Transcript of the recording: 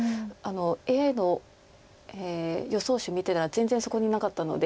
ＡＩの予想手見てたら全然そこになかったので。